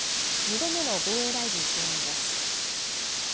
２度目の防衛大臣就任です。